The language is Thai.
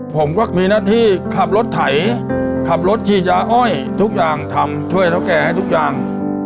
ผมก็มีหน้าที่ขับรถไถขับรถฉีดยาอ้อยทุกอย่างทำช่วยเท่าแก่ให้ทุกอย่าง